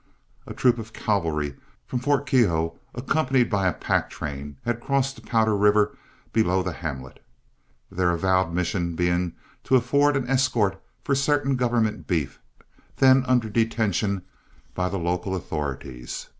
A troop of cavalry from Fort Keogh, accompanied by a pack train, had crossed the Powder River below the hamlet, their avowed mission being to afford an escort for certain government beef, then under detention by the local authorities.